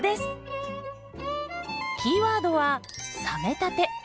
キーワードは「冷めたて」。